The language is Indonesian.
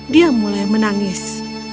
dia mulai menangis